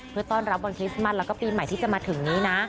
เพื่อต้อนรับวันคริสต์มัสแล้วก็ปีใหม่ที่จะมาถึงนี้นะ